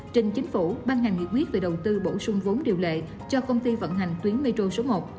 trên chính phủ bàn hàng quyết định đầu tư bổ sung vốn điều lệ cho công ty vận hành tuyến metro số một